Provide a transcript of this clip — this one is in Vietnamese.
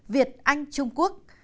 việt anh trung quốc